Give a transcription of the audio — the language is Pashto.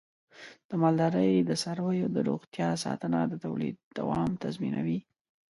د مالدارۍ د څارویو د روغتیا ساتنه د تولید دوام تضمینوي.